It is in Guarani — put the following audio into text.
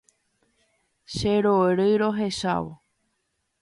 Cherory rohechávo